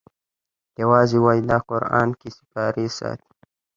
یوازی وایي دا قران که سیپارې ساتی